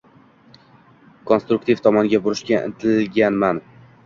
konstruktiv tomonga burishga intilganman.